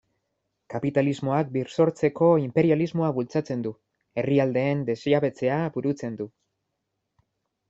Kapitalismoak birsortzeko inperialismoa bultzatzen du, herrialdeen desjabetzea burutzen du...